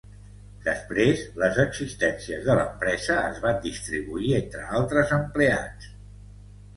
Després, les existències de l'empresa es van distribuir entre altres empleats.